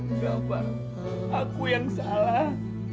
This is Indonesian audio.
enggak mbak aku yang salah